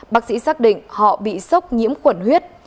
bác sĩ xác định họ bị sốc nhiễm khuẩn huyết